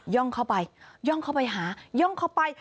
่องเข้าไปย่องเข้าไปหาย่องเข้าไป